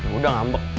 ya udah ngambek